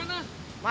jadi gak apa apa